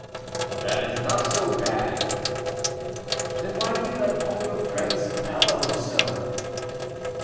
"That is not so bad." "Then why do you let all your friends bellow so?"